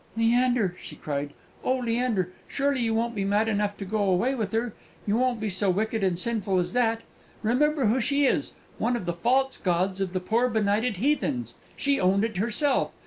"Leander!" she cried, "oh, Leander! surely you won't be mad enough to go away with her! You won't be so wicked and sinful as that! Remember who she is: one of the false gods of the poor benighted heathens she owned it herself!